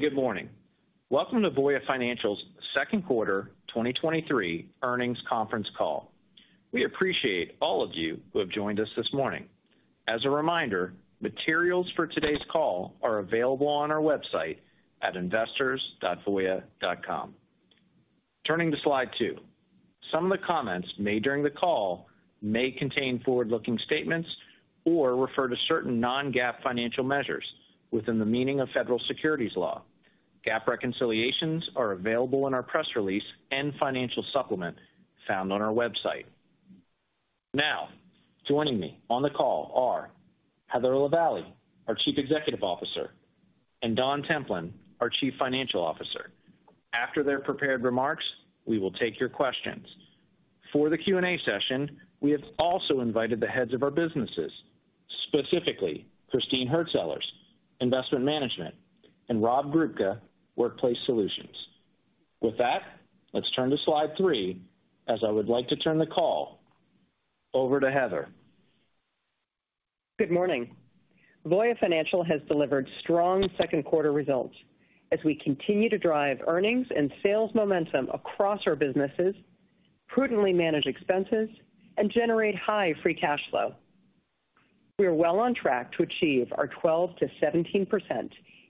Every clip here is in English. Thank you. Good morning. Welcome to Voya Financial's Second Quarter 2023 Earnings Conference Call. We appreciate all of you who have joined us this morning. As a reminder, materials for today's call are available on our website at investors.voya.com. Turning to slide two, some of the comments made during the call may contain forward-looking statements or refer to certain non-GAAP financial measures within the meaning of federal securities law. GAAP reconciliations are available in our press release and financial supplement found on our website. Joining me on the call are Heather Lavallee, our Chief Executive Officer, and Don Templin, our Chief Financial Officer. After their prepared remarks, we will take your questions. For the Q&A session, we have also invited the heads of our businesses, specifically Christine Hurtsellers, Investment Management, and Rob Grubka, Workplace Solutions. With that, let's turn to slide three, as I would like to turn the call over to Heather. Good morning. Voya Financial has delivered strong second quarter results as we continue to drive earnings and sales momentum across our businesses, prudently manage expenses, and generate high free cash flow. We are well on track to achieve our 12%-17%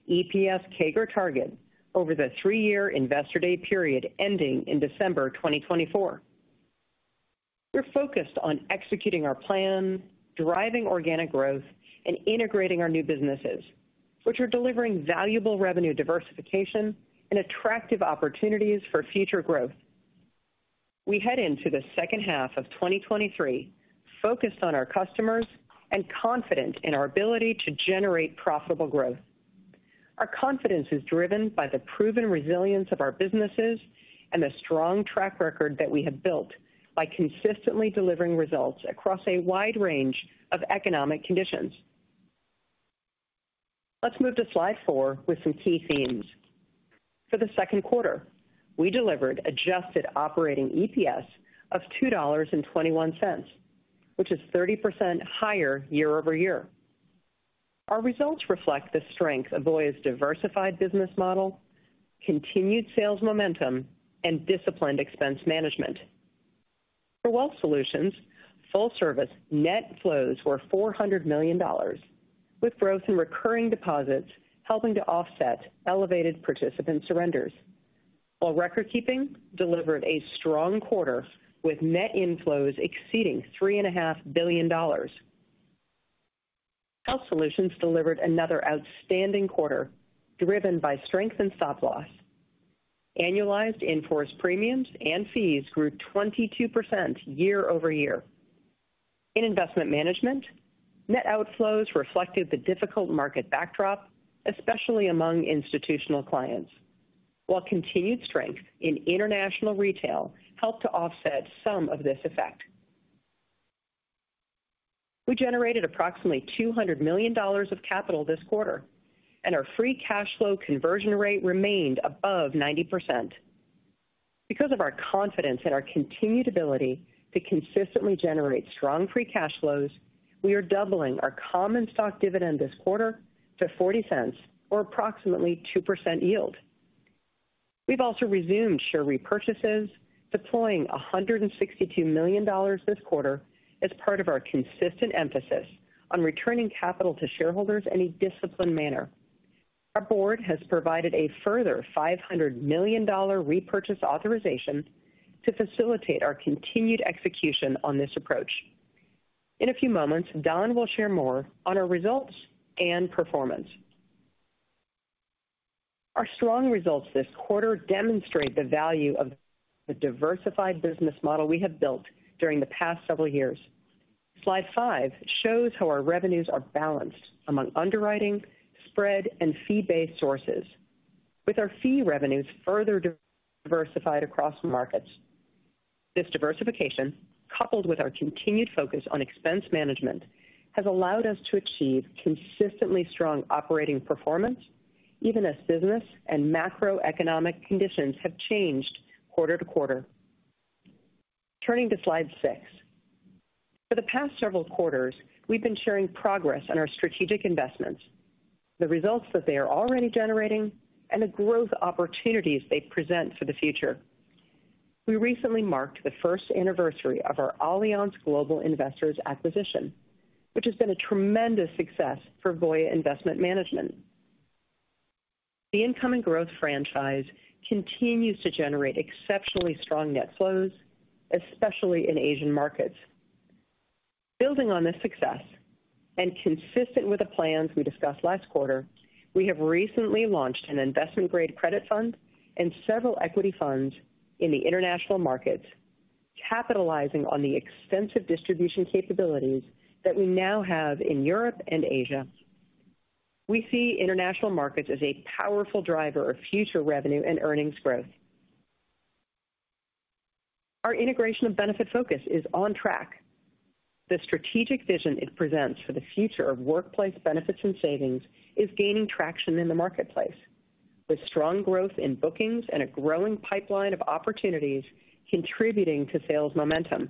EPS CAGR target over the three-year Investor Day period, ending in December 2024. We're focused on executing our plan, driving organic growth, and integrating our new businesses, which are delivering valuable revenue diversification and attractive opportunities for future growth. We head into the second half of 2023, focused on our customers and confident in our ability to generate profitable growth. Our confidence is driven by the proven resilience of our businesses and the strong track record that we have built by consistently delivering results across a wide range of economic conditions. Let's move to slide four with some key themes. For the second quarter, we delivered adjusted operating EPS of $2.21, which is 30% higher year-over-year. Our results reflect the strength of Voya's diversified business model, continued sales momentum, and disciplined expense management. For Wealth Solutions, full service net flows were $400 million, with growth in recurring deposits helping to offset elevated participant surrenders. Record keeping delivered a strong quarter with net inflows exceeding $3.5 billion. Health Solutions delivered another outstanding quarter, driven by strength and stop loss. Annualized in-force premiums and fees grew 22% year-over-year. In Investment Management, net outflows reflected the difficult market backdrop, especially among institutional clients, while continued strength in international retail helped to offset some of this effect. We generated approximately $200 million of capital this quarter, and our free cash flow conversion rate remained above 90%. Because of our confidence in our continued ability to consistently generate strong free cash flows, we are doubling our common stock dividend this quarter to $0.40 or approximately 2% yield. We've also resumed share repurchases, deploying $162 million this quarter as part of our consistent emphasis on returning capital to shareholders in a disciplined manner. Our board has provided a further $500 million repurchase authorization to facilitate our continued execution on this approach. In a few moments, Don will share more on our results and performance. Our strong results this quarter demonstrate the value of the diversified business model we have built during the past several years. Slide five shows how our revenues are balanced among underwriting, spread, and fee-based sources, with our fee revenues further diversified across markets. This diversification, coupled with our continued focus on expense management, has allowed us to achieve consistently strong operating performance, even as business and macroeconomic conditions have changed quarter to quarter. Turning to slide six, for the past several quarters, we've been sharing progress on our strategic investments, the results that they are already generating, and the growth opportunities they present for the future. We recently marked the first anniversary of our Allianz Global Investors acquisition, which has been a tremendous success for Voya Investment Management. The incoming growth franchise continues to generate exceptionally strong net flows, especially in Asian markets. Building on this success, consistent with the plans we discussed last quarter, we have recently launched an investment-grade credit fund and several equity funds in the international markets, capitalizing on the extensive distribution capabilities that we now have in Europe and Asia. We see international markets as a powerful driver of future revenue and earnings growth. Our integration of Benefitfocus is on track. The strategic vision it presents for the future of workplace benefits and savings is gaining traction in the marketplace, with strong growth in bookings and a growing pipeline of opportunities contributing to sales momentum.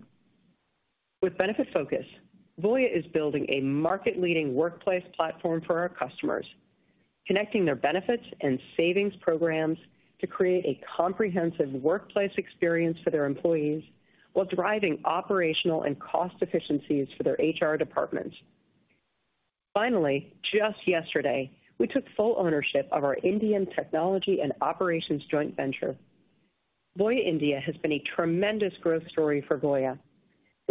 With Benefitfocus, Voya is building a market-leading workplace platform for our customers, connecting their benefits and savings programs to create a comprehensive workplace experience for their employees, while driving operational and cost efficiencies for their HR departments. Finally, just yesterday, we took full ownership of our Indian technology and operations joint venture. Voya India has been a tremendous growth story for Voya,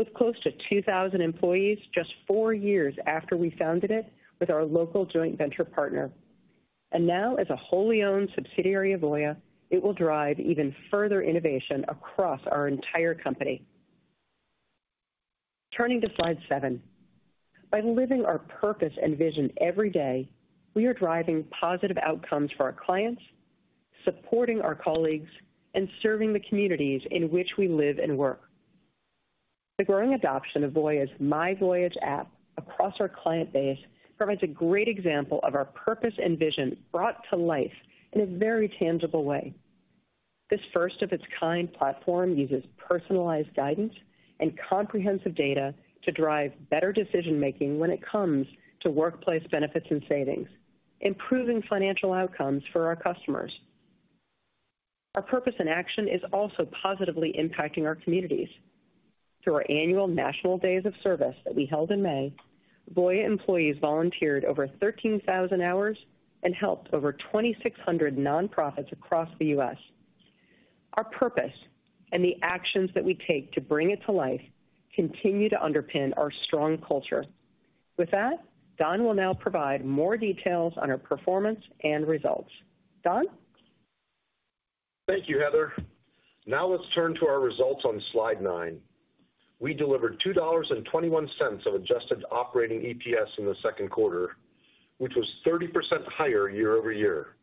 with close to 2,000 employees just four years after we founded it with our local joint venture partner. Now, as a wholly-owned subsidiary of Voya, it will drive even further innovation across our entire company. Turning to slide seven, by living our purpose and vision every day, we are driving positive outcomes for our clients, supporting our colleagues, and serving the communities in which we live and work. The growing adoption of Voya's myVoyage app across our client base provides a great example of our purpose and vision brought to life in a very tangible way. This first-of-its-kind platform uses personalized guidance and comprehensive data to drive better decision-making when it comes to workplace benefits and savings, improving financial outcomes for our customers. Our purpose in action is also positively impacting our communities. Through our annual National Days of Service that we held in May, Voya employees volunteered over 13,000 hours and helped over 2,600 nonprofits across the U.S. Our purpose and the actions that we take to bring it to life continue to underpin our strong culture. Don will now provide more details on our performance and results. Don? Thank you, Heather. Let's turn to our results on slide nine. We delivered $2.21 of adjusted operating EPS in the second quarter, which was 30% higher year-over-year.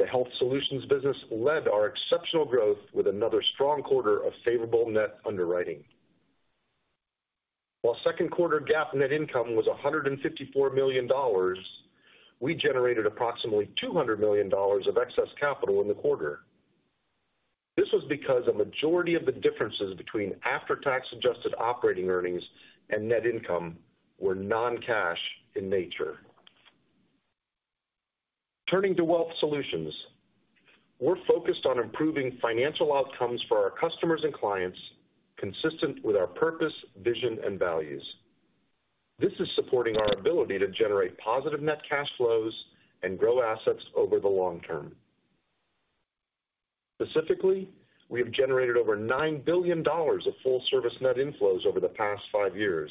The Health Solutions business led our exceptional growth with another strong quarter of favorable net underwriting. While second quarter GAAP net income was $154 million, we generated approximately $200 million of excess capital in the quarter. This was because a majority of the differences between after-tax adjusted operating earnings and net income were non-cash in nature. Turning to Wealth Solutions, we're focused on improving financial outcomes for our customers and clients, consistent with our purpose, vision, and values. This is supporting our ability to generate positive net cash flows and grow assets over the long term. Specifically, we have generated over $9 billion of full service net inflows over the past five years,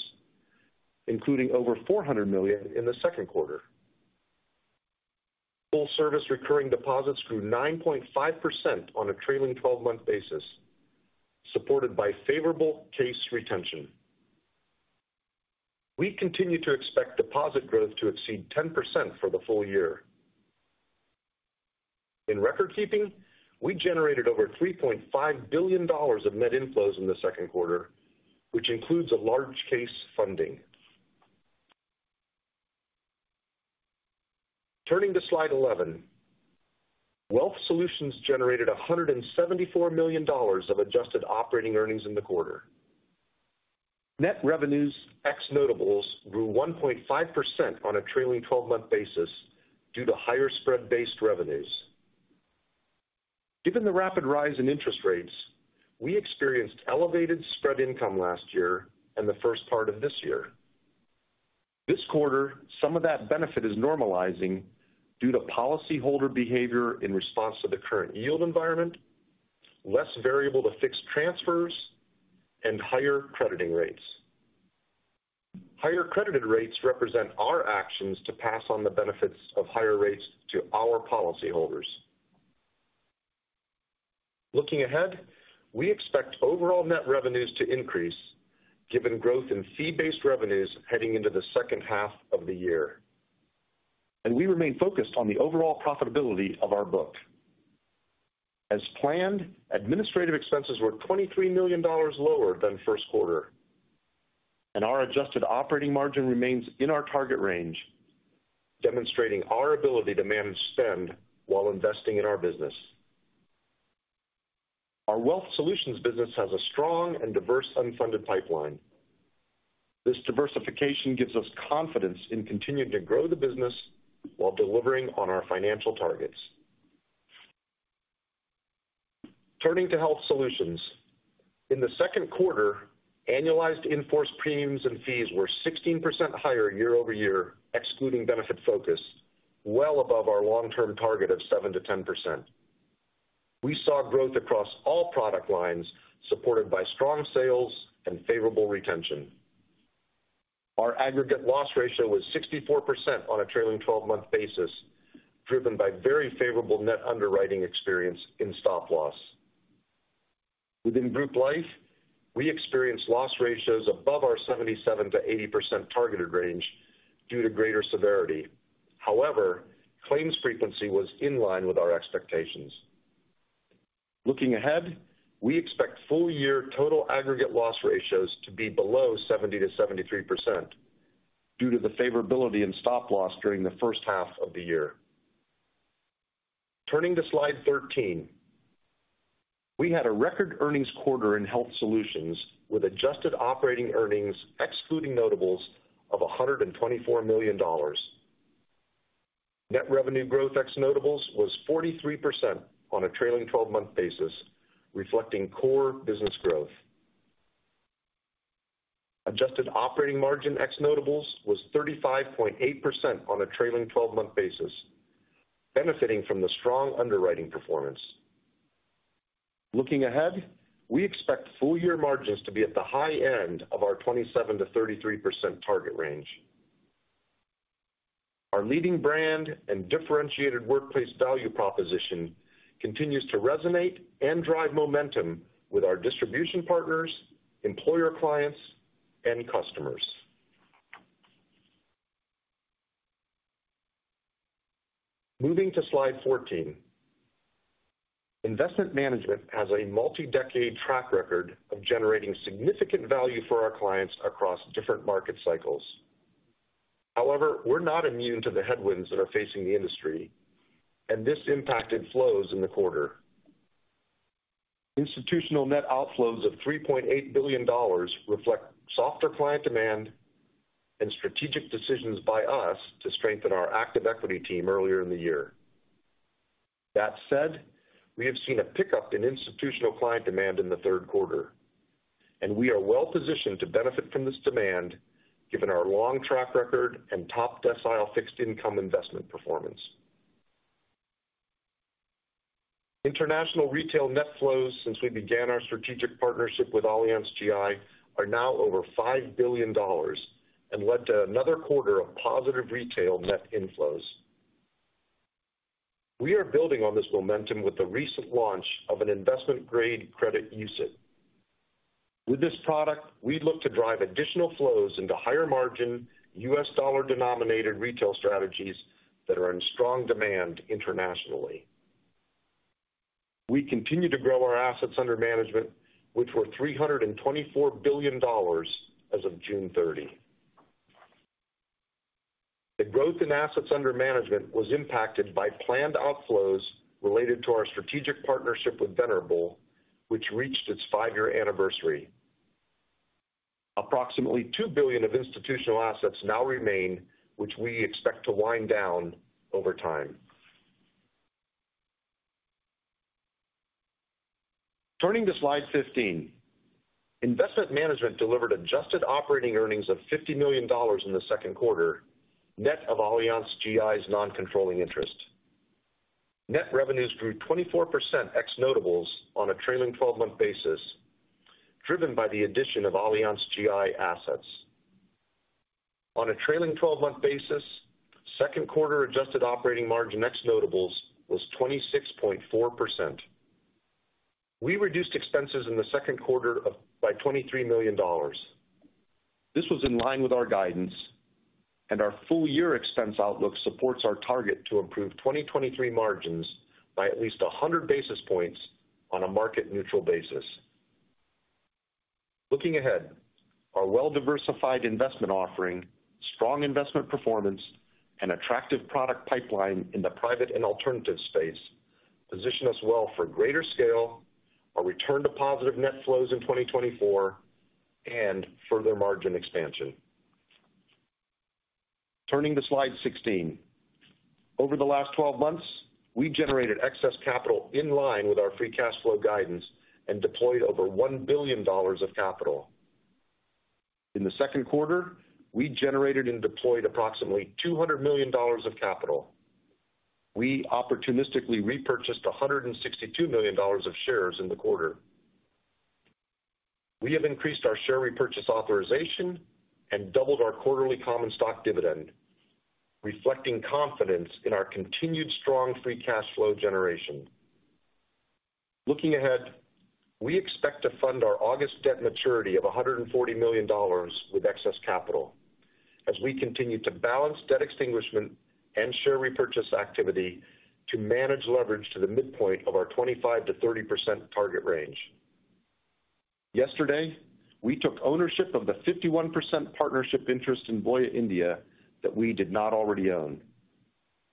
including over $400 million in the second quarter. Full service recurring deposits grew 9.5% on a trailing 12-month basis, supported by favorable case retention. We continue to expect deposit growth to exceed 10% for the full year. In recordkeeping, we generated over $3.5 billion of net inflows in the second quarter, which includes a large case funding. Turning to slide 11, Wealth Solutions generated $174 million of adjusted operating earnings in the quarter. Net revenues ex notables grew 1.5% on a trailing 12-month basis due to higher spread-based revenues. Given the rapid rise in interest rates, we experienced elevated spread income last year and the first part of this year. This quarter, some of that benefit is normalizing due to policyholder behavior in response to the current yield environment, less variable to fixed transfers, and higher crediting rates. Higher credited rates represent our actions to pass on the benefits of higher rates to our policyholders. Looking ahead, we expect overall net revenues to increase given growth in fee-based revenues heading into the second half of the year, and we remain focused on the overall profitability of our book. As planned, administrative expenses were $23 million lower than first quarter, and our adjusted operating margin remains in our target range, demonstrating our ability to manage spend while investing in our business. Our Wealth Solutions business has a strong and diverse unfunded pipeline. This diversification gives us confidence in continuing to grow the business while delivering on our financial targets. Turning to Health Solutions. In the second quarter, annualized in-force premiums and fees were 16% higher year over year, excluding Benefitfocus, well above our long-term target of 7%-10%. We saw growth across all product lines, supported by strong sales and favorable retention. Our aggregate loss ratio was 64% on a trailing twelve-month basis, driven by very favorable net underwriting experience in stop loss. Within Group Life, we experienced loss ratios above our 77%-80% targeted range due to greater severity. However, claims frequency was in line with our expectations. Looking ahead, we expect full year total aggregate loss ratios to be below 70%-73%, due to the favorability in stop loss during the first half of the year. Turning to slide 13, we had a record earnings quarter in Health Solutions, with adjusted operating earnings excluding notables of $124 million. Net revenue growth ex notables was 43% on a trailing twelve-month basis, reflecting core business growth. Adjusted operating margin ex notables was 35.8% on a trailing twelve-month basis, benefiting from the strong underwriting performance. Looking ahead, we expect full year margins to be at the high end of our 27%-33% target range. Our leading brand and differentiated workplace value proposition continues to resonate and drive momentum with our distribution partners, employer clients, and customers. Moving to slide 14. Investment Management has a multi-decade track record of generating significant value for our clients across different market cycles. However, we're not immune to the headwinds that are facing the industry, and this impacted flows in the quarter. Institutional net outflows of $3.8 billion reflect softer client demand and strategic decisions by us to strengthen our active equity team earlier in the year. That said, we have seen a pickup in institutional client demand in the third quarter, and we are well positioned to benefit from this demand given our long track record and top decile fixed income investment performance. International retail net flows since we began our strategic partnership with AllianzGI, are now over $5 billion and led to another quarter of positive retail net inflows. We are building on this momentum with the recent launch of an investment-grade credit UCITS. With this product, we look to drive additional flows into higher margin, U.S. dollar-denominated retail strategies that are in strong demand internationally. We continue to grow our assets under management, which were $324 billion as of June 30. The growth in assets under management was impacted by planned outflows related to our strategic partnership with Venerable, which reached its five-year anniversary. Approximately $2 billion of institutional assets now remain, which we expect to wind down over time. Turning to slide 15, Investment Management delivered adjusted operating earnings of $50 million in the second quarter, net of AllianzGI's non-controlling interest. Net revenues grew 24% ex notables on a trailing twelve-month basis, driven by the addition of AllianzGI assets. On a trailing twelve-month basis, second quarter adjusted operating margin ex notables was 26.4%. We reduced expenses in the second quarter by $23 million. This was in line with our guidance, and our full year expense outlook supports our target to improve 2023 margins by at least 100 basis points on a market neutral basis. Looking ahead, our well-diversified investment offering, strong investment performance, and attractive product pipeline in the private and alternative space position us well for greater scale, a return to positive net flows in 2024, and further margin expansion. Turning to slide 16, over the last 12 months, we generated excess capital in line with our free cash flow guidance and deployed over $1 billion of capital. In the second quarter, we generated and deployed approximately $200 million of capital. We opportunistically repurchased $162 million of shares in the quarter. We have increased our share repurchase authorization and doubled our quarterly common stock dividend, reflecting confidence in our continued strong free cash flow generation. Looking ahead, we expect to fund our August debt maturity of $140 million with excess capital as we continue to balance debt extinguishment and share repurchase activity to manage leverage to the midpoint of our 25%-30% target range. Yesterday, we took ownership of the 51% partnership interest in Voya India that we did not already own.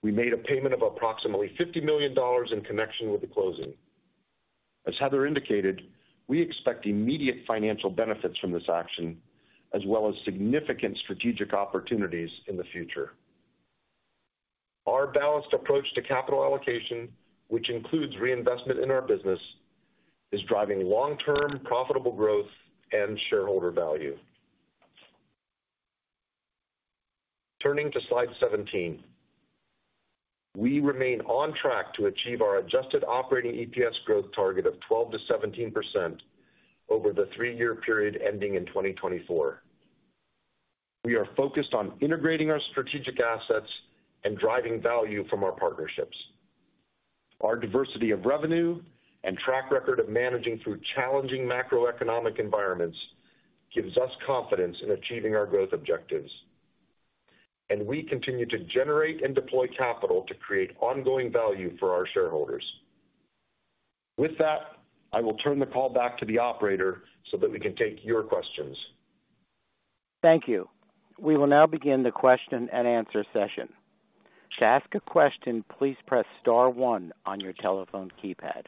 We made a payment of approximately $50 million in connection with the closing. As Heather indicated, we expect immediate financial benefits from this action, as well as significant strategic opportunities in the future. Our balanced approach to capital allocation, which includes reinvestment in our business, is driving long-term profitable growth and shareholder value. Turning to slide 17, we remain on track to achieve our adjusted operating EPS growth target of 12%-17% over the three-year period ending in 2024. We are focused on integrating our strategic assets and driving value from our partnerships. Our diversity of revenue and track record of managing through challenging macroeconomic environments gives us confidence in achieving our growth objectives, and we continue to generate and deploy capital to create ongoing value for our shareholders. With that, I will turn the call back to the operator so that we can take your questions. Thank you. We will now begin the question-and-answer session. To ask a question, please press star one on your telephone keypad.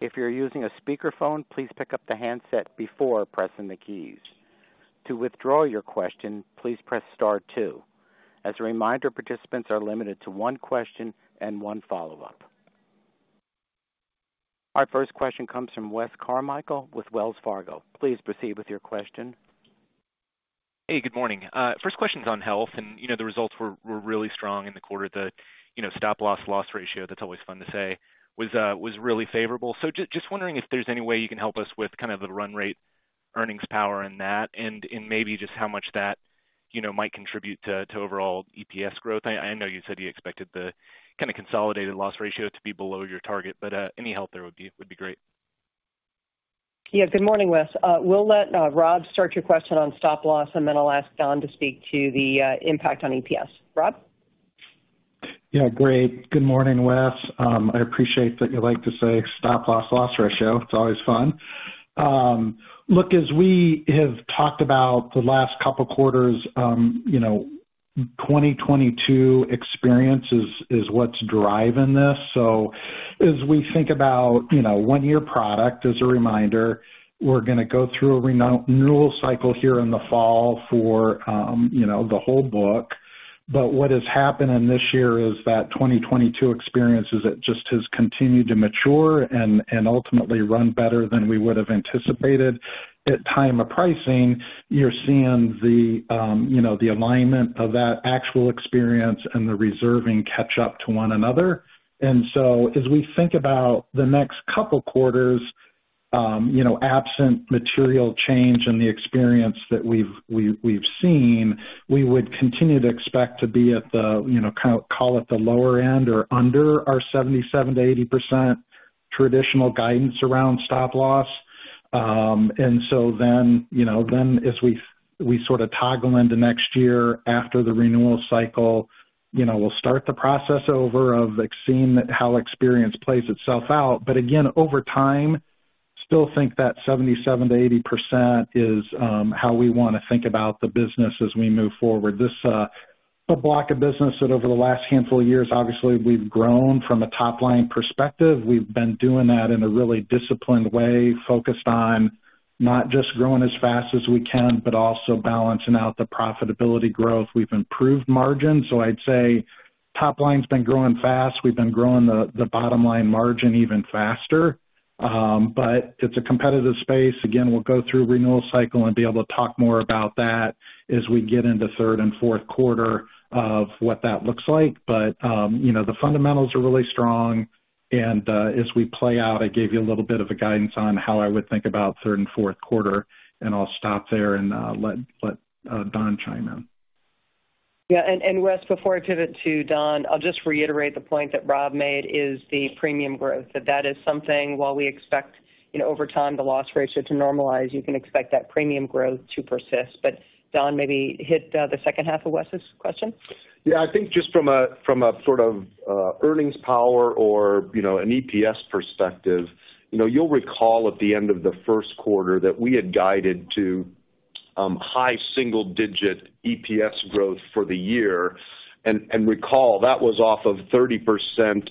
If you're using a speakerphone, please pick up the handset before pressing the keys. To withdraw your question, please press star two. As a reminder, participants are limited to one question and one follow-up. Our first question comes from Wes Carmichael with Wells Fargo. Please proceed with your question. Hey, good morning. First question's on health, and, you know, the results were really strong in the quarter. The, you know, stop loss loss ratio, that's always fun to say, was really favorable. Just wondering if there's any way you can help us with kind of the run rate, earnings power in that, and, and maybe just how much that, you know, might contribute to, to overall EPS growth. I, I know you said you expected the kind of consolidated loss ratio to be below your target, but any help there would be, would be great. Yeah. Good morning, Wes. We'll let Rob start your question on stop loss, and then I'll ask Don to speak to the impact on EPS. Rob? Yeah, great. Good morning, Wes. I appreciate that you like to say stop-loss loss ratio. It's always fun. Look, as we have talked about the last couple quarters, you know, 2022 experience is, is what's driving this. As we think about, you know, one-year product, as a reminder, we're going to go through a renewal cycle here in the fall for, you know, the whole book. What has happened in this year is that 2022 experience is it just has continued to mature and, and ultimately run better than we would have anticipated. At time of pricing, you're seeing the, you know, the alignment of that actual experience and the reserving catch up to one another. As we think about the next couple quarters, you know, absent material change in the experience that we've, we've, we've seen, we would continue to expect to be at the, you know, kind of, call it the lower end or under our 77%-80% traditional guidance around stop-loss. Then, you know, then as we, we sort of toggle into next year after the renewal cycle, you know, we'll start the process over of, like, seeing how experience plays itself out. Again, over time, still think that 77%-80% is how we want to think about the business as we move forward. This a block of business that over the last handful of years, obviously, we've grown from a top-line perspective. We've been doing that in a really disciplined way, focused on not just growing as fast as we can, but also balancing out the profitability growth. We've improved margins, so I'd say top line's been growing fast. We've been growing the bottom line margin even faster. It's a competitive space. Again, we'll go through renewal cycle and be able to talk more about that as we get into third and fourth quarter of what that looks like. You know, the fundamentals are really strong, as we play out, I gave you a little bit of a guidance on how I would think about third and fourth quarter, and I'll stop there and let Don chime in. Yeah, and Wes, before I pivot to Don, I'll just reiterate the point that Rob made is the premium growth, that that is something while we expect, you know, over time, the loss ratio to normalize, you can expect that premium growth to persist. Don, maybe hit the second half of Wes's question. Yeah, I think just from a, from a sort of, earnings power or, you know, an EPS perspective, you know, you'll recall at the end of the first quarter that we had guided to, high single-digit EPS growth for the year. Recall, that was off of 30%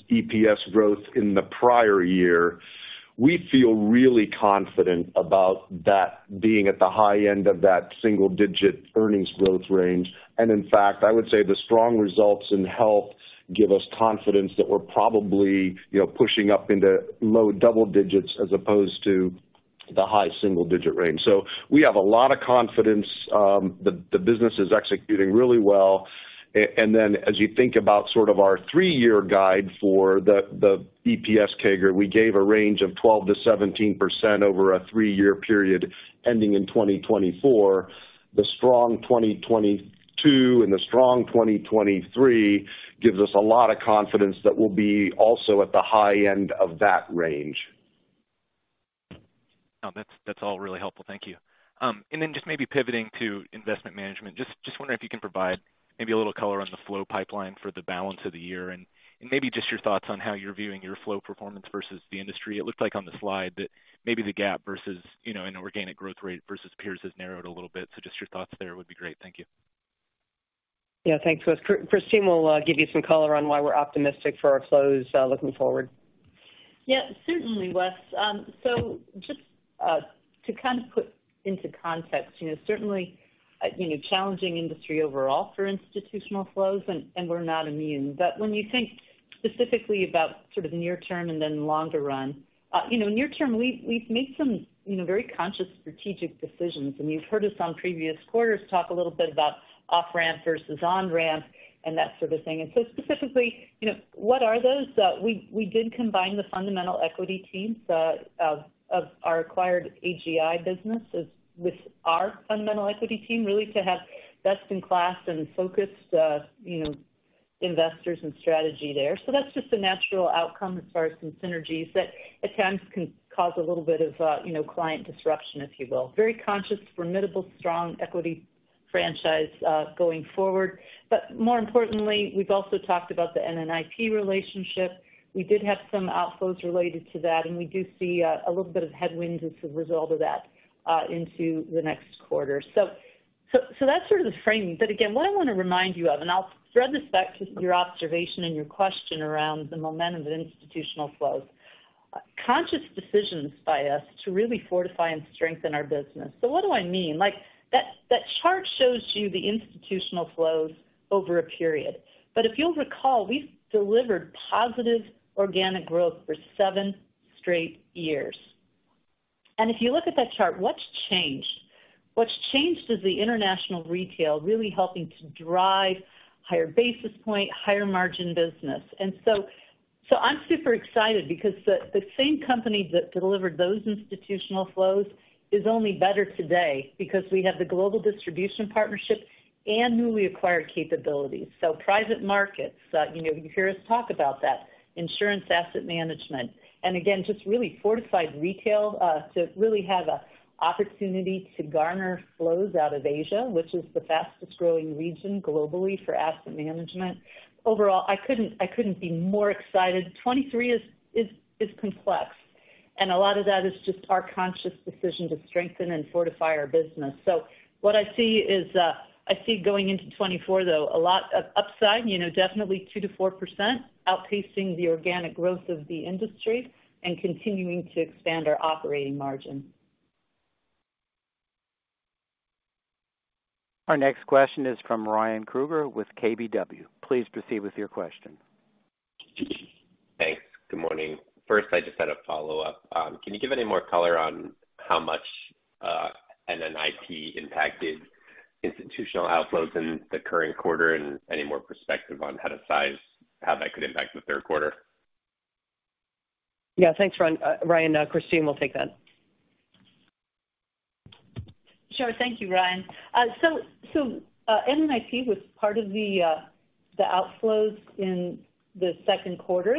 EPS growth in the prior year. We feel really confident about that being at the high end of that single-digit earnings growth range. In fact, I would say the strong results in Health Solutions give us confidence that we're probably, you know, pushing up into low double digits as opposed to the high single-digit range. We have a lot of confidence, the, the business is executing really well. Then as you think about sort of our three-year guide for the, the EPS CAGR, we gave a range of 12%-17% over a three-year period, ending in 2024. The strong 2022 and the strong 2023 gives us a lot of confidence that we'll be also at the high end of that range. Oh, that's, that's all really helpful. Thank you. And then just maybe pivoting to Investment Management. Just, just wondering if you can provide maybe a little color on the flow pipeline for the balance of the year, and, and maybe just your thoughts on how you're viewing your flow performance versus the industry. It looks like on the slide that maybe the gap versus, you know, an organic growth rate versus peers has narrowed a little bit. Just your thoughts there would be great. Thank you. Yeah, thanks, Wes. Christine will give you some color on why we're optimistic for our flows looking forward. Yeah, certainly, Wes. So just to kind of put into context, you know, certainly, you know, challenging industry overall for institutional flows, and, and we're not immune. When you think specifically about sort of near term and then longer run, you know, near term, we, we've made some, you know, very conscious strategic decisions. You've heard us on previous quarters talk a little bit about off-ramp versus on-ramp and that sort of thing. So specifically, you know, what are those? We, we did combine the fundamental equity teams of, of our acquired AGI business with, with our fundamental equity team, really to have best in class and focused, you know, investors and strategy there. That's just a natural outcome as far as some synergies that at times can cause a little bit of, you know, client disruption, if you will. Very conscious, formidable, strong equity franchise, going forward. More importantly, we've also talked about the NNIP relationship. We did have some outflows related to that, and we do see a little bit of headwinds as a result of that into the next quarter. That's sort of the framing. Again, what I want to remind you of, and I'll thread this back to your observation and your question around the momentum of institutional flows. Conscious decisions by us to really fortify and strengthen our business. What do I mean? Like, that, that chart shows you the institutional flows over a period. If you'll recall, we've delivered positive organic growth for seven straight years. If you look at that chart, what's changed? What's changed is the international retail really helping to drive higher basis point, higher margin business. So, I'm super excited because the, the same company that delivered those institutional flows is only better today because we have the global distribution partnership and newly acquired capabilities. Private markets, you know, you hear us talk about that, insurance asset management, and again, just really fortified retail, to really have a opportunity to garner flows out of Asia, which is the fastest growing region globally for asset management. Overall, I couldn't, I couldn't be more excited. 2023 is, is, is complex, and a lot of that is just our conscious decision to strengthen and fortify our business. What I see is, I see going into 2024, though, a lot of upside, you know, definitely 2%-4%, outpacing the organic growth of the industry and continuing to expand our operating margin. Our next question is from Ryan Krueger with KBW. Please proceed with your question. Thanks. Good morning. First, I just had a follow-up. Can you give any more color on how much NNIP impacted institutional outflows in the current quarter, and any more perspective on how to size, how that could impact the third quarter? Yeah. Thanks, Ryan. Christine will take that. Sure. Thank you, Ryan. NNIP was part of the outflows in the second quarter.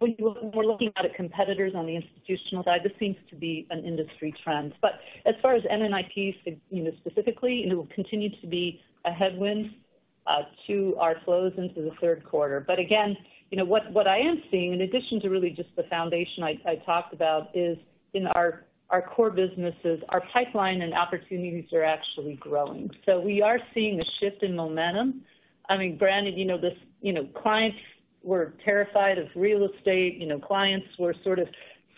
When we're looking at competitors on the institutional side, this seems to be an industry trend. As far as NNIP, you know, specifically, it will continue to be a headwind to our flows into the third quarter. Again, you know what, what I am seeing, in addition to really just the foundation I, I talked about, is in our core businesses, our pipeline and opportunities are actually growing. We are seeing a shift in momentum. I mean, granted, you know, this, you know, clients were terrified of real estate, you know, clients were sort of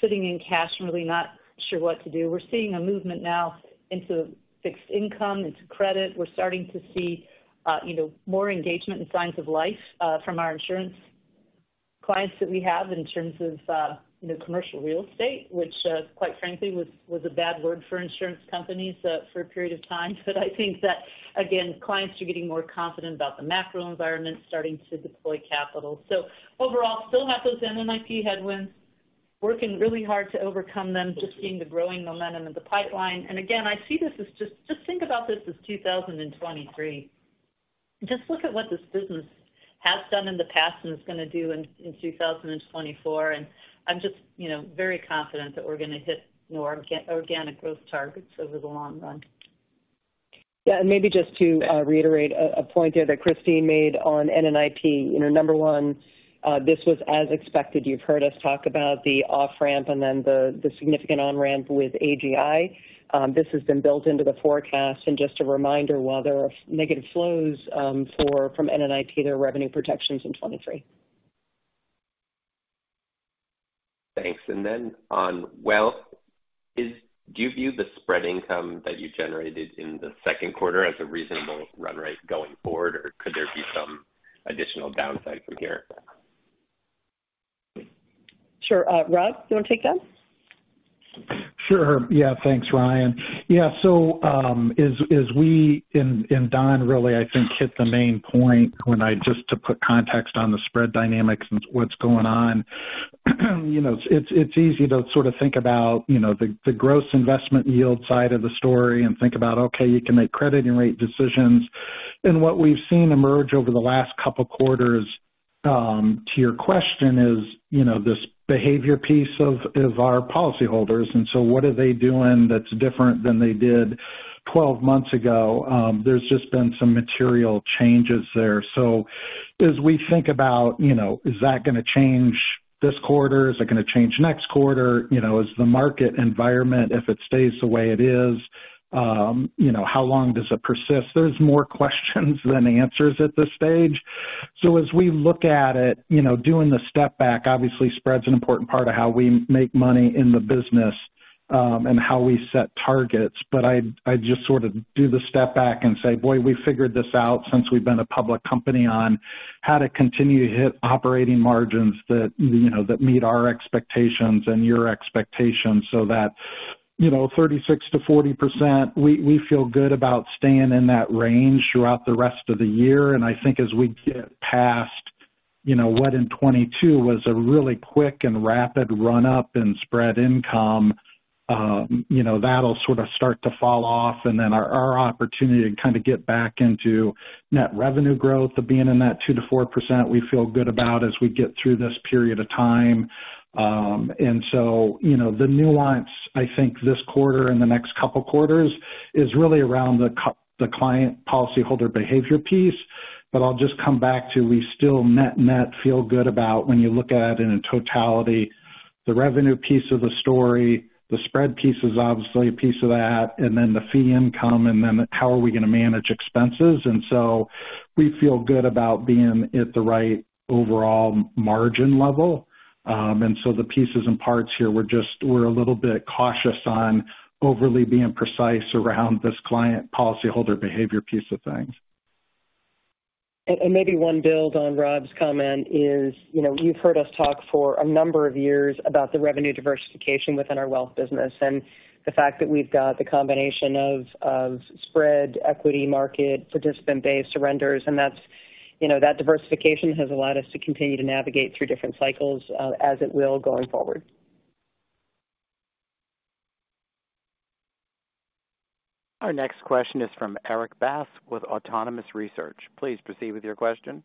sitting in cash and really not sure what to do. We're seeing a movement now into fixed income, into credit. We're starting to see, you know, more engagement and signs of life from our insurance clients that we have in terms of, you know, commercial real estate, which, quite frankly, was, was a bad word for insurance companies for a period of time. I think that, again, clients are getting more confident about the macro environment, starting to deploy capital. Overall, still have those NNIP headwinds, working really hard to overcome them, just seeing the growing momentum of the pipeline. Again, I see this as just, just think about this as 2023. Just look at what this business has done in the past and is going to do in, in 2024, and I'm just, you know, very confident that we're going to hit our organic growth targets over the long run. Yeah, and maybe just to reiterate a point there that Christine made on NNIP. You know, number one, this was as expected. You've heard us talk about the off-ramp and then the significant on-ramp with AGI. This has been built into the forecast. Just a reminder, while there are negative flows from NNIP, there are revenue protections in 23. Thanks. Then on wealth, do you view the spread income that you generated in the second quarter as a reasonable run rate going forward, or could there be some additional downside from here? Sure. Rob, you want to take that? Sure. Thanks, Ryan. As, as we and Don, really, I think, hit the main point when I just to put context on the spread dynamics and what's going on. You know, it's, it's easy to sort of think about, you know, the, the gross investment yield side of the story and think about, okay, you can make credit and rate decisions. What we've seen emerge over the last couple of quarters, to your question is, you know, this behavior piece of, of our policyholders, and so what are they doing that's different than they did 12 months ago? There's just been some material changes there. As we think about, you know, is that going to change this quarter? Is it going to change next quarter? You know, is the market environment, if it stays the way it is, you know, how long does it persist? There's more questions than answers at this stage. As we look at it, you know, doing the step back, obviously spread's an important part of how we make money in the business, and how we set targets. I just sort of do the step back and say, "Boy, we figured this out since we've been a public company on how to continue to hit operating margins that, you know, that meet our expectations and your expectations." That, you know, 36%-40%, we, we feel good about staying in that range throughout the rest of the year. I think as we get past, you know, what in 2022 was a really quick and rapid run up in spread income, you know, that'll sort of start to fall off, and then our, our opportunity to kind of get back into net revenue growth of being in that 2%-4% we feel good about as we get through this period of time. You know, the nuance, I think, this quarter and the next couple quarters is really around the client policyholder behavior piece. I'll just come back to we still net-net feel good about when you look at it in totality, the revenue piece of the story, the spread piece is obviously a piece of that, and then the fee income, and then how are we gonna manage expenses? We feel good about being at the right overall margin level. So the pieces and parts here, we're a little bit cautious on overly being precise around this client policyholder behavior piece of things. Maybe one build on Rob's comment is, you know, you've heard us talk for a number of years about the revenue diversification within our Wealth Business, and the fact that we've got the combination of, of spread, equity market, participant-based surrenders, and that's, you know, that diversification has allowed us to continue to navigate through different cycles, as it will going forward. Our next question is from Erik Bass with Autonomous Research. Please proceed with your question.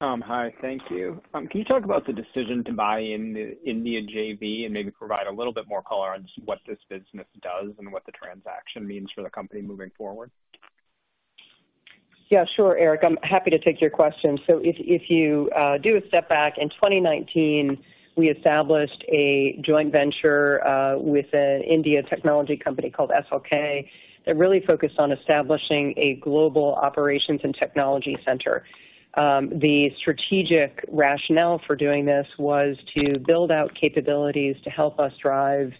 Hi. Thank you. Can you talk about the decision to buy in the India JV and maybe provide a little bit more color on just what this business does and what the transaction means for the company moving forward? Yeah, sure, Erik, I'm happy to take your question. If, if you do a step back, in 2019, we established a joint venture with an India technology company called SLK, that really focused on establishing a global operations and technology center. The strategic rationale for doing this was to build out capabilities to help us drive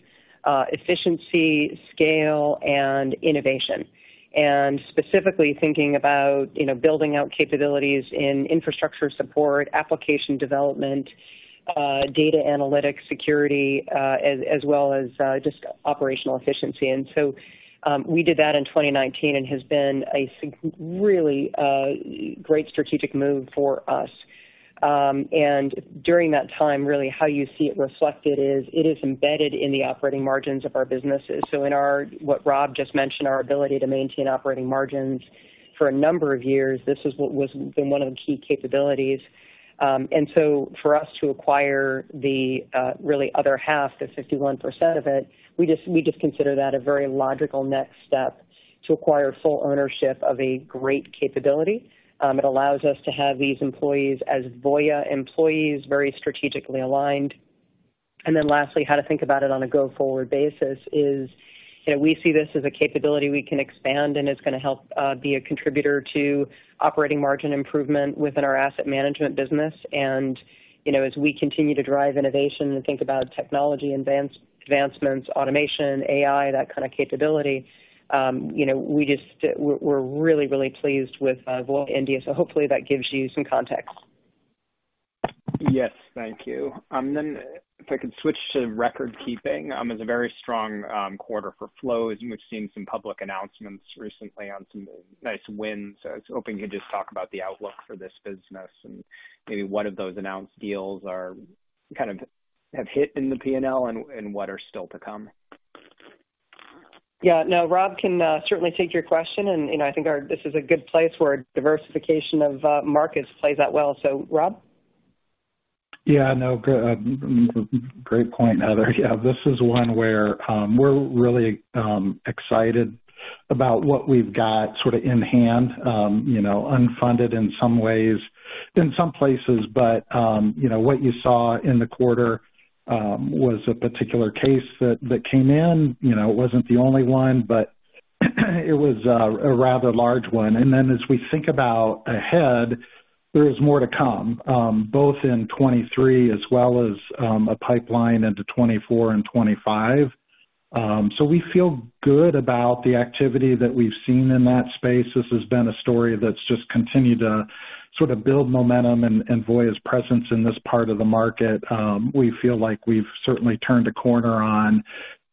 efficiency, scale, and innovation. Specifically thinking about, you know, building out capabilities in infrastructure support, application development, data analytics, security, as, as well as just operational efficiency. We did that in 2019, and has been a really great strategic move for us. During that time, really how you see it reflected is, it is embedded in the operating margins of our businesses. In our What Rob just mentioned, our ability to maintain operating margins for a number of years, this is what was been one of the key capabilities. So for us to acquire the, really other half, the 51% of it, we just, we just consider that a very logical next step to acquire full ownership of a great capability. It allows us to have these employees as Voya employees, very strategically aligned. Lastly, how to think about it on a go-forward basis is, you know, we see this as a capability we can expand, and it's gonna help be a contributor to operating margin improvement within our asset management business. You know, as we continue to drive innovation and think about technology advancements, automation, AI, that kind of capability, you know, we just, we're, we're really, really pleased with Voya India. Hopefully that gives you some context. Yes, thank you. If I could switch to recordkeeping. It's a very strong quarter for flows. We've seen some public announcements recently on some nice wins. I was hoping you could just talk about the outlook for this business and maybe what of those announced deals are kind of, have hit in the P&L and, and what are still to come. Yeah. No, Rob can, certainly take your question. You know, I think our this is a good place where diversification of, markets plays out well. Rob? Yeah, no, great point, Heather. Yeah, this is one where, we're really excited about what we've got sort of in hand, you know, unfunded in some ways, in some places. You know, what you saw in the quarter, was a particular case that, that came in. You know, it wasn't the only one, but it was a rather large one. Then as we think about ahead, there is more to come, both in 2023 as well as a pipeline into 2024 and 2025. We feel good about the activity that we've seen in that space. This has been a story that's just continued to sort of build momentum and, and Voya's presence in this part of the market. We feel like we've certainly turned a corner on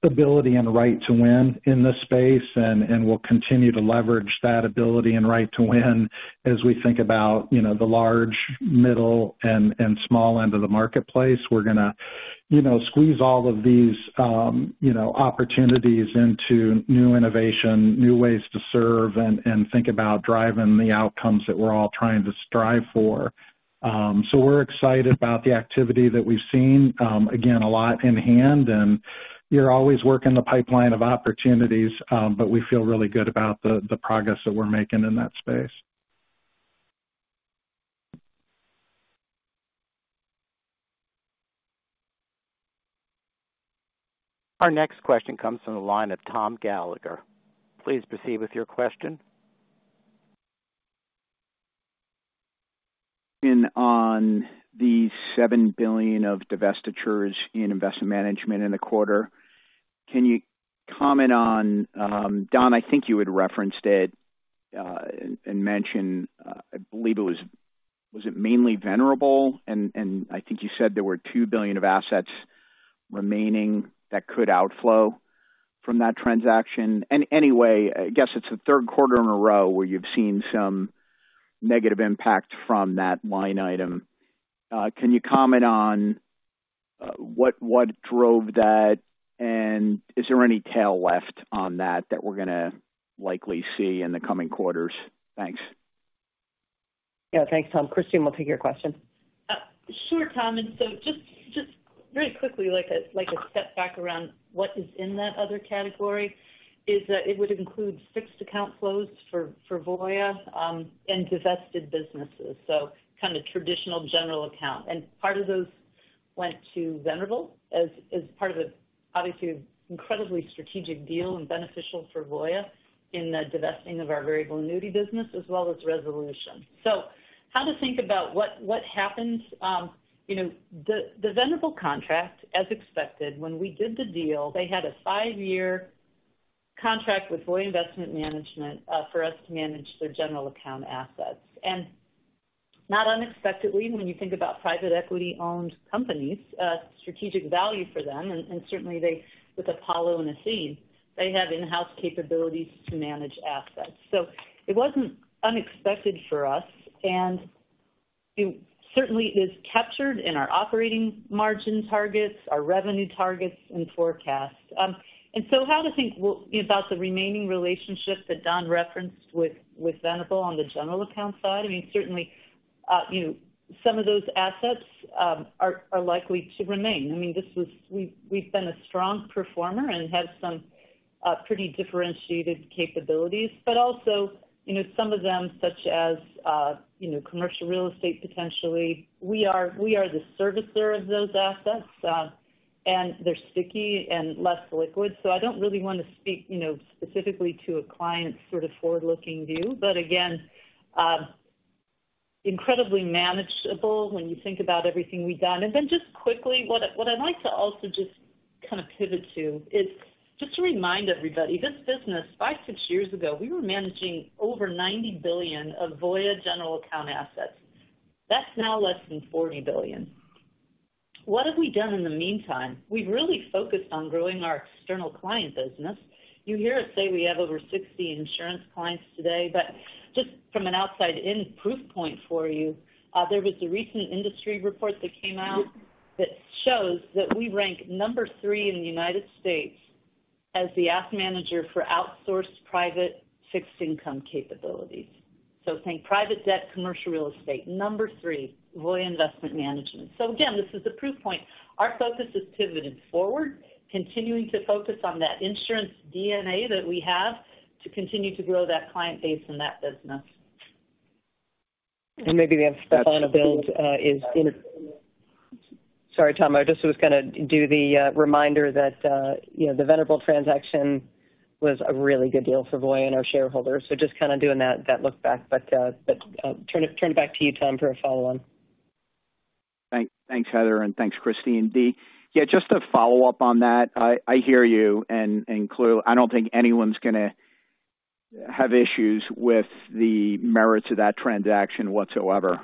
ability and right to win in this space, and we'll continue to leverage that ability and right to win as we think about, you know, the large, middle, and small end of the marketplace. We're gonna, you know, squeeze all of these, you know, opportunities into new innovation, new ways to serve, and think about driving the outcomes that we're all trying to strive for. We're excited about the activity that we've seen. Again, a lot in hand, and you're always working the pipeline of opportunities, we feel really good about the progress that we're making in that space. Our next question comes from the line of Tom Gallagher. Please proceed with your question. In on the $7 billion of divestitures in Investment Management in the quarter, can you comment on, Don, I think you had referenced it and mentioned, I believe it was, was it mainly Venerable? I think you said there were $2 billion of assets remaining that could outflow from that transaction. Anyway, I guess it's the third quarter in a row where you've seen some negative impact from that line item. Can you comment on what drove that? Is there any tail left on that, that we're gonna likely see in the coming quarters? Thanks. Yeah, thanks, Tom. Christine will take your question. Sure, Tom. Just very quickly, like a step back around what is in that other category, it would include fixed account flows for Voya and divested businesses, so kind of traditional general account. Part of those went to Venerable as part of an, obviously, incredibly strategic deal and beneficial for Voya in the divesting of our variable annuity business, as well as Resolution. How to think about what happens? You know, the Venerable contract, as expected, when we did the deal, they had a five-year contract with Voya Investment Management for us to manage their general account assets. Not unexpectedly, when you think about private equity-owned companies, strategic value for them, and certainly they, with Apollo and Athene, they have in-house capabilities to manage assets. It wasn't unexpected for us, and it certainly is captured in our operating margin targets, our revenue targets, and forecasts. How to think about the remaining relationship that Don referenced with, with Venerable on the general account side? I mean, certainly, you know, some of those assets are, are likely to remain. I mean, this was we've, we've been a strong performer and have some pretty differentiated capabilities, but also, you know, some of them, such as, you know, commercial real estate, potentially, we are, we are the servicer of those assets, and they're sticky and less liquid. I don't really want to speak, you know, specifically to a client's sort of forward-looking view, but again, incredibly manageable when you think about everything we've done. Just quickly, what I, what I'd like to also just kind of pivot to is just to remind everybody, this business, five, six years ago, we were managing over $90 billion of Voya general account assets. That's now less than $40 billion. What have we done in the meantime? We've really focused on growing our external client business. You hear us say we have over 60 insurance clients today, just from an outside-in proof point for you, there was a recent industry report that came out that shows that we rank number three in the United States as the asset manager for outsourced private fixed income capabilities. Think private debt, commercial real estate, number three, Voya Investment Management. Again, this is a proof point. Our focus is pivoted forward, continuing to focus on that insurance DNA that we have to continue to grow that client base and that business. Maybe the other step on to build, is in. Sorry, Tom, I just was gonna do the reminder that, you know, the Venerable transaction was a really good deal for Voya and our shareholders. Just kind of doing that, that look back. Turn it, turn it back to you, Tom, for a follow-on. Thanks, Heather, and thanks, Christine, indeed. Yeah, just to follow up on that, I, I hear you, and, and clue. I don't think anyone's gonna have issues with the merits of that transaction whatsoever.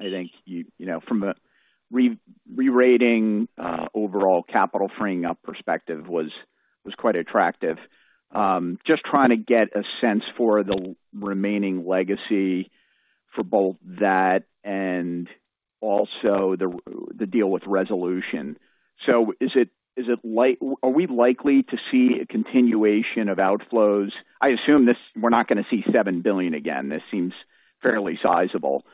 I think you, you know, from a rerating, overall capital freeing up perspective was, was quite attractive. Just trying to get a sense for the remaining legacy for both that and also the deal with Resolution. Is it, is it, are we likely to see a continuation of outflows? I assume this, we're not going to see $7 billion again. This seems fairly sizable.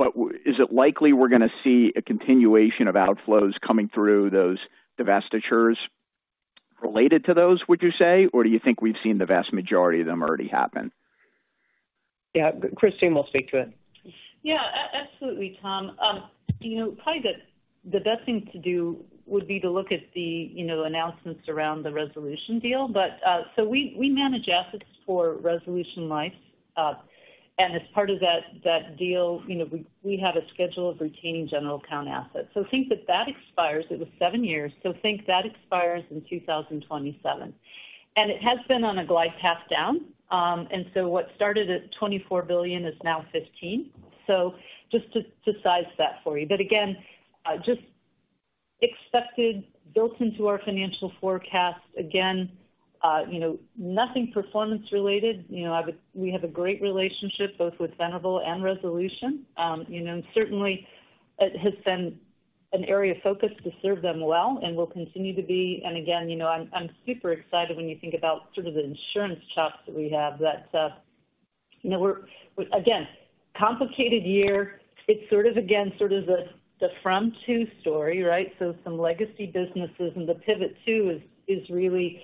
Is it likely we're going to see a continuation of outflows coming through those divestitures related to those, would you say? Do you think we've seen the vast majority of them already happen? Yeah, Christine will speak to it. Yeah, absolutely, Tom. You know, probably the, the best thing to do would be to look at the, you know, announcements around the Resolution deal. So we, we manage assets for Resolution Life. As part of that, that deal, you know, we, we have a schedule of retaining general account assets. Think that that expires, it was seven years, so think that expires in 2027. It has been on a glide path down. So what started at $24 billion is now $15 billion. Just to, to size that for you. Again, just expected, built into our financial forecast. Again, you know, nothing performance related. You know, I would we have a great relationship both with Venerable and Resolution. You know, certainly it has been an area of focus to serve them well and will continue to be. Again, you know, I'm, I'm super excited when you think about sort of the insurance chops that we have that, you know, we're. Again, complicated year. It's sort of, again, sort of the, the from two story, right? Some legacy businesses, and the pivot to is, is really,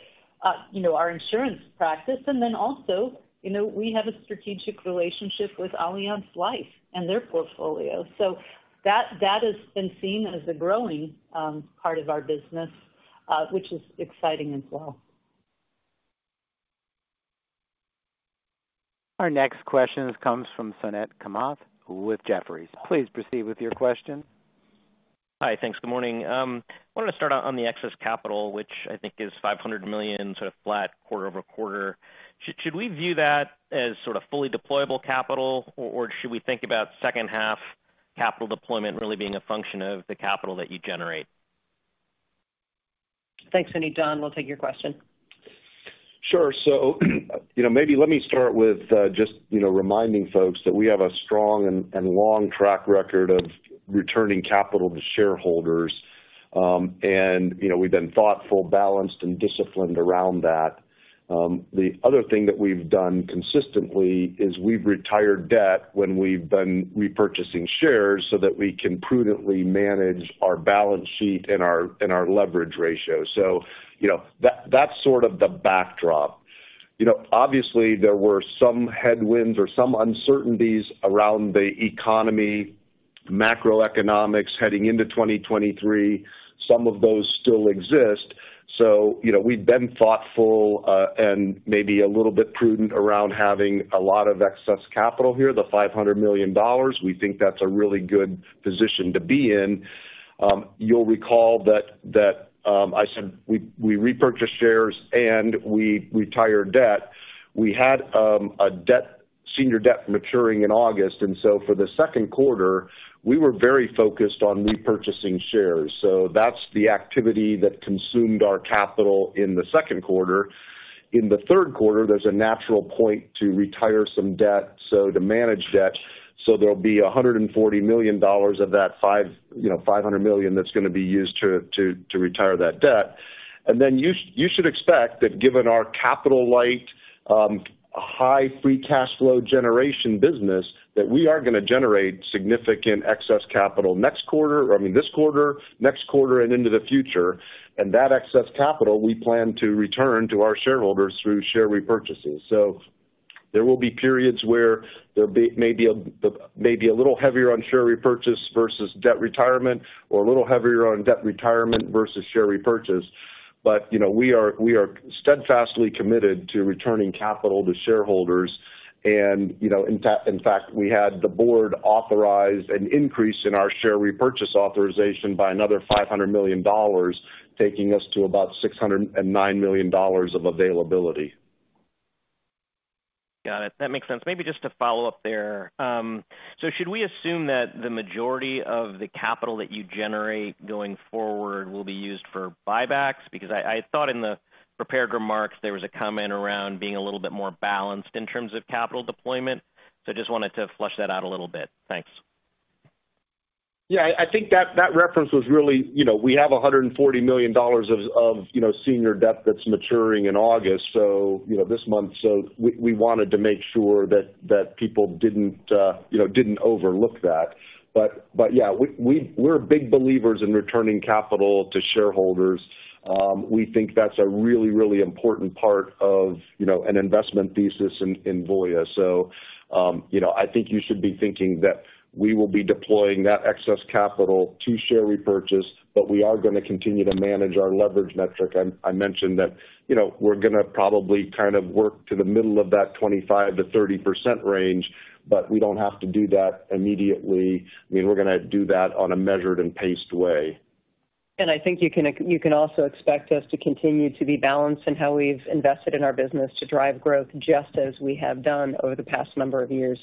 you know, our insurance practice. Then also, you know, we have a strategic relationship with Allianz Life and their portfolio. That, that has been seen as a growing part of our business, which is exciting as well. Our next question comes from Suneet Kamath with Jefferies. Please proceed with your question. Hi, thanks. Good morning. I wanted to start out on the excess capital, which I think is $500 million, sort of flat quarter-over-quarter. Should we view that as sort of fully deployable capital, or should we think about second half capital deployment really being a function of the capital that you generate? Thanks, Suneet. Don will take your question. Sure. You know, maybe let me start with, just, you know, reminding folks that we have a strong and, and long track record of returning capital to shareholders. You know, we've been thoughtful, balanced, and disciplined around that. The other thing that we've done consistently is we've retired debt when we've been repurchasing shares so that we can prudently manage our balance sheet and our, and our leverage ratio. You know, that-that's sort of the backdrop. You know, obviously, there were some headwinds or some uncertainties around the economy, macroeconomics, heading into 2023. Some of those still exist. You know, we've been thoughtful, and maybe a little bit prudent around having a lot of excess capital here, the $500 million. We think that's a really good position to be in. You'll recall that, that, I said we, we repurchase shares and we retire debt. We had a debt, senior debt maturing in August. For the second quarter, we were very focused on repurchasing shares. That's the activity that consumed our capital in the second quarter. In the third quarter, there's a natural point to retire some debt, so to manage debt. There'll be $140 million of that, you know, $500 million, that's going to be used to, to, to retire that debt. Then you, you should expect that given our capital light, high free cash flow generation business, that we are going to generate significant excess capital next quarter. I mean, this quarter, next quarter, and into the future. That excess capital, we plan to return to our shareholders through share repurchases. There will be periods where there be maybe a little heavier on share repurchase versus debt retirement, or a little heavier on debt retirement versus share repurchase. You know, we are steadfastly committed to returning capital to shareholders, and, you know, in fact, we had the board authorize an increase in our share repurchase authorization by another $500 million, taking us to about $609 million of availability. Got it. That makes sense. Maybe just to follow up there. Should we assume that the majority of the capital that you generate going forward will be used for buybacks? Because I, I thought in the prepared remarks there was a comment around being a little bit more balanced in terms of capital deployment. Just wanted to flesh that out a little bit. Thanks. Yeah, I think that reference was really, you know, we have $140 million of, of, you know, senior debt that's maturing in August. You know, this month. We, we wanted to make sure that, that people didn't, you know, didn't overlook that. But, yeah, we're big believers in returning capital to shareholders. We think that's a really, really important part of, you know, an investment thesis in, in Voya. You know, I think you should be thinking that we will be deploying that excess capital to share repurchase, but we are going to continue to manage our leverage metric. I mentioned that, you know, we're going to probably kind of work to the middle of that 25%-30% range, but we don't have to do that immediately. I mean, we're going to do that on a measured and paced way. I think you can, you can also expect us to continue to be balanced in how we've invested in our business to drive growth, just as we have done over the past number of years.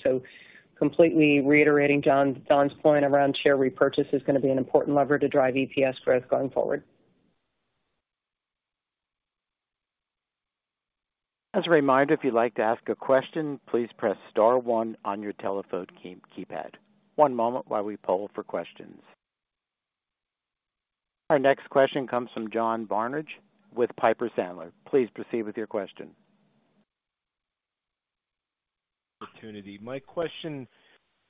Completely reiterating Don's point around share repurchase is going to be an important lever to drive EPS growth going forward. As a reminder, if you'd like to ask a question, please press star one on your telephone keypad. One moment while we poll for questions. Our next question comes from John Barnidge with Piper Sandler. Please proceed with your question. Opportunity. My question,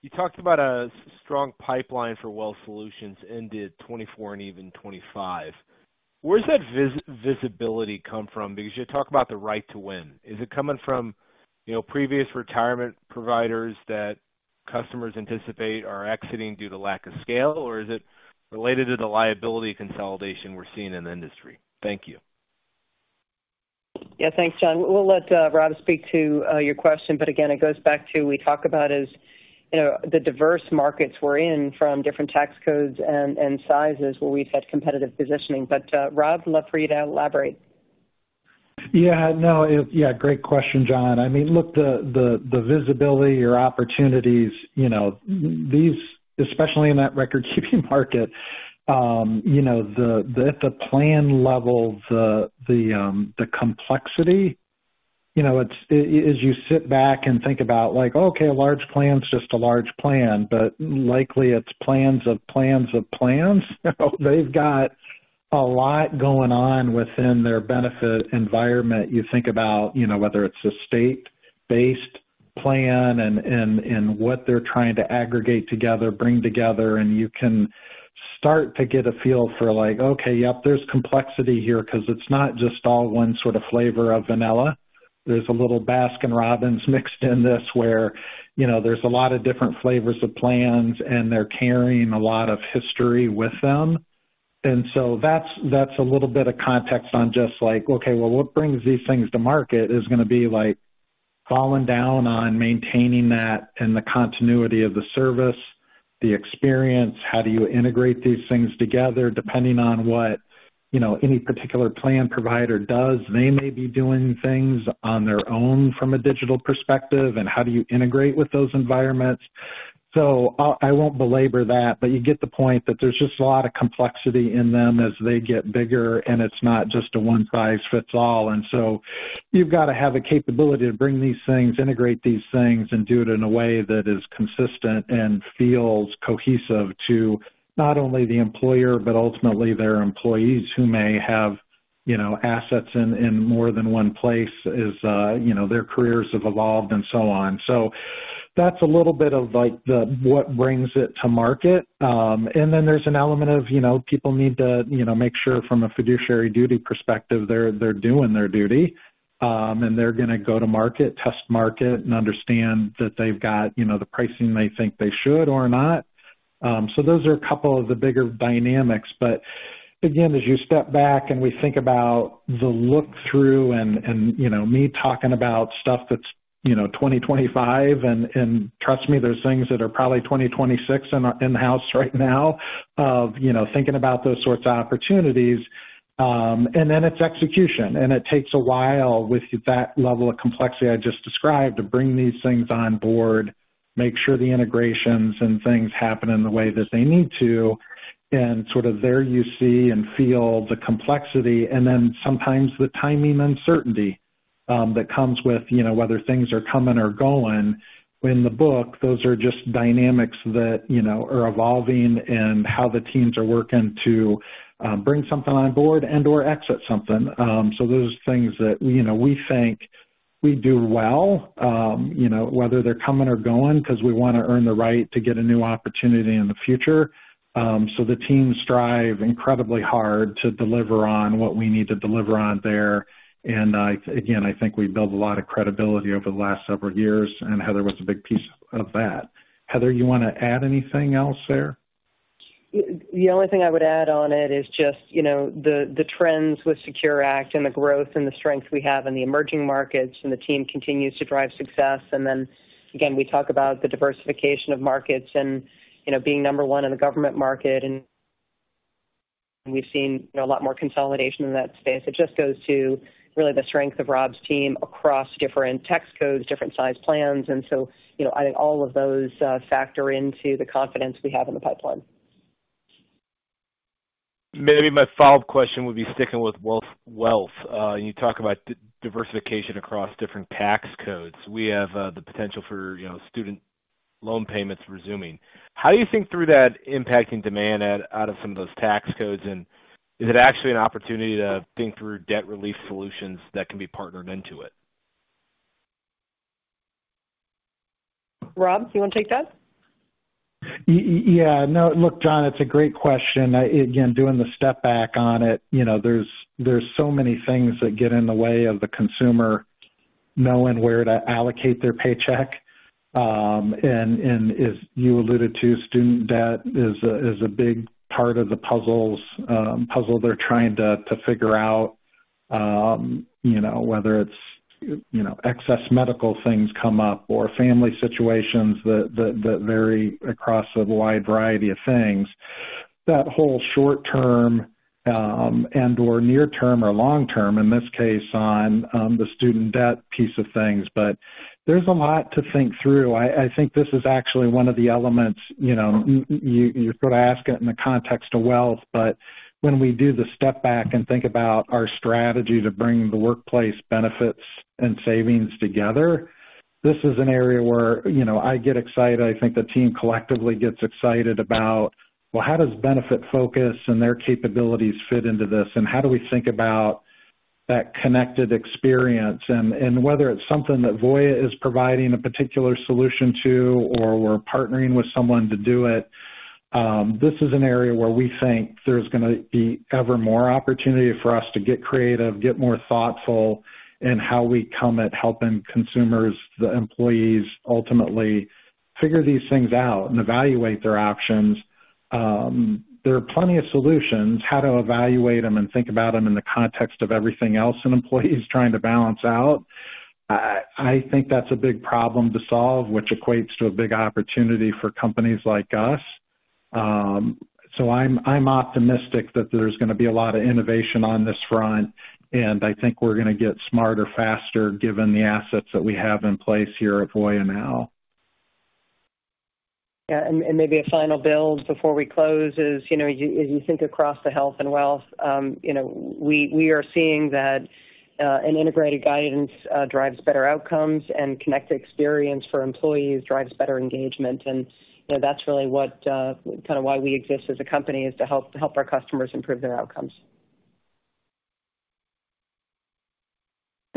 you talked about a strong pipeline for Wealth Solutions ended 2024 and even 2025. Where does that visibility come from? Because you talk about the right to win. Is it coming from, you know, previous retirement providers that customers anticipate are exiting due to lack of scale, or is it related to the liability consolidation we're seeing in the industry? Thank you. Yeah. Thanks, John. We'll let Rob speak to your question, again, it goes back to we talk about is, you know, the diverse markets we're in from different tax codes and sizes where we've had competitive positioning. Rob, love for you to elaborate. Yeah, no, yeah, great question, John. I mean, look, the, the, the visibility or opportunities, you know, these, especially in that record keeping market, you know, the, the, at the plan level, the, the, the complexity, you know, as you sit back and think about like, okay, a large plan is just a large plan, but likely it's plans of plans of plans. They've got a lot going on within their benefit environment. You think about, you know, whether it's a state-based plan and, and, and what they're trying to aggregate together, bring together, and you can start to get a feel for like, okay, yep, there's complexity here because it's not just all one sort of flavor of vanilla. There's a little Baskin-Robbins mixed in this, where, you know, there's a lot of different flavors of plans, and they're carrying a lot of history with them. That's, that's a little bit of context on just like, okay, well, what brings these things to market is going to be like falling down on maintaining that and the continuity of the service, the experience. How do you integrate these things together? Depending on what, you know, any particular plan provider does, they may be doing things on their own from a digital perspective, and how do you integrate with those environments. I, I won't belabor that, but you get the point, that there's just a lot of complexity in them as they get bigger, and it's not just a one-size-fits-all. You've got to have the capability to bring these things, integrate these things, and do it in a way that is consistent and feels cohesive to not only the employer but ultimately their employees, who may have, you know, assets in, in more than one place as, you know, their careers have evolved and so on. That's a little bit of, like, what brings it to market. Then there's an element of, you know, people need to, you know, make sure from a fiduciary duty perspective, they're, they're doing their duty. They're gonna go to market, test market, and understand that they've got, you know, the pricing they think they should or not. Those are a couple of the bigger dynamics. Again, as you step back and we think about the look-through and, and, you know, me talking about stuff that's, you know, 2025, and, and trust me, there's things that are probably 2026 in our, in-house right now of, you know, thinking about those sorts of opportunities. Then it's execution, and it takes a while with that level of complexity I just described, to bring these things on board, make sure the integrations and things happen in the way that they need to. Sort of there you see and feel the complexity, and then sometimes the timing uncertainty that comes with, you know, whether things are coming or going. In the book, those are just dynamics that, you know, are evolving and how the teams are working to bring something on board and/or exit something. Those are things that, you know, we think we do well, you know, whether they're coming or going, 'cause we wanna earn the right to get a new opportunity in the future. The teams strive incredibly hard to deliver on what we need to deliver on there. Again, I think we've built a lot of credibility over the last several years, and Heather was a big piece of that. Heather, you wanna add anything else there? The only thing I would add on it is just, you know, the, the trends with SECURE Act and the growth and the strength we have in the emerging markets, and the team continues to drive success. Then, again, we talk about the diversification of markets and, you know, being number one in the government market, and we've seen, you know, a lot more consolidation in that space. It just goes to really the strength of Rob's team across different tax codes, different size plans. So, you know, I think all of those factor into the confidence we have in the pipeline. Maybe my follow-up question would be sticking with wealth. You talk about diversification across different tax codes. We have the potential for, you know, student loan payments resuming. How do you think through that impacting demand out of some of those tax codes? Is it actually an opportunity to think through debt relief solutions that can be partnered into it? Rob, you wanna take that? Yeah. No, look, John, it's a great question. I again, doing the step back on it, you know, there are so many things that get in the way of the consumer knowing where to allocate their paycheck. As you alluded to, student debt is a big part of the puzzle they're trying to figure out. You know, whether it's, you know, excess medical things come up or family situations that vary across a wide variety of things. That whole short term, and/or near term or long term, in this case, on the student debt piece of things. There's a lot to think through. I, I think this is actually one of the elements, you know, you sort of ask it in the context of wealth, but when we do the step back and think about our strategy to bring the workplace benefits and savings together, this is an area where, you know, I get excited. I think the team collectively gets excited about: well, how does Benefitfocus and their capabilities fit into this? How do we think about that connected experience? Whether it's something that Voya is providing a particular solution to or we're partnering with someone to do it, this is an area where we think there's gonna be ever more opportunity for us to get creative, get more thoughtful in how we come at helping consumers, the employees, ultimately figure these things out and evaluate their options. There are plenty of solutions. How to evaluate them and think about them in the context of everything else an employee is trying to balance out, I think that's a big problem to solve, which equates to a big opportunity for companies like us. I'm optimistic that there's gonna be a lot of innovation on this front, and I think we're gonna get smarter faster, given the assets that we have in place here at Voya now. Yeah, and, and maybe a final build before we close is, you know, you, as you think across the health and wealth, you know, we, we are seeing that an integrated guidance drives better outcomes, and connected experience for employees drives better engagement. You know, that's really what kind of why we exist as a company, is to help, to help our customers improve their outcomes.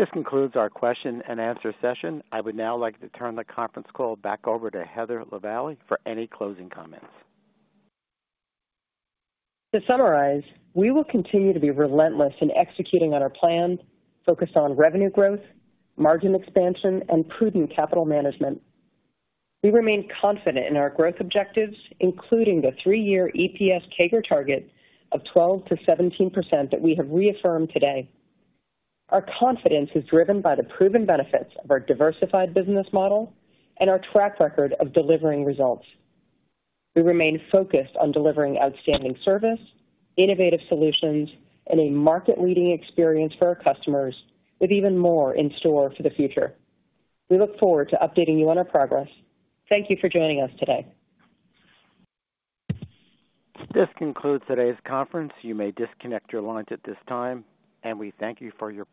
This concludes our question and answer session. I would now like to turn the conference call back over to Heather Lavallee for any closing comments. To summarize, we will continue to be relentless in executing on our plan, focused on revenue growth, margin expansion, and prudent capital management. We remain confident in our growth objectives, including the three-year EPS CAGR target of 12% to 17% that we have reaffirmed today. Our confidence is driven by the proven benefits of our diversified business model and our track record of delivering results. We remain focused on delivering outstanding service, innovative solutions, and a market-leading experience for our customers, with even more in store for the future. We look forward to updating you on our progress. Thank you for joining us today. This concludes today's conference. You may disconnect your lines at this time, and we thank you for your participation.